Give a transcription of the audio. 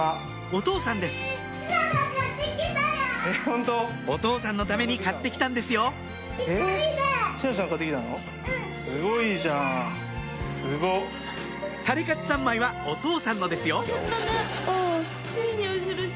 お父さんのために買って来たんですよタレカツ３枚はお父さんのですよ